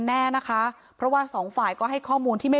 ต้องรอผลพิสูจน์จากแพทย์ก่อนนะคะ